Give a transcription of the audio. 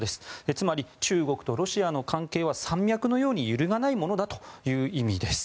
つまり、中国とロシアの関係は山脈のように揺るがないものだという意味です。